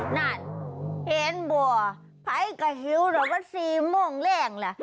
นั่นเห็นบ่าไพก็หิวเหรอว่าสี่โมงแรงละ